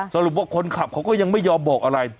สรุปว่าคนขับเขาก็ยังไม่ยอมบอกอะไร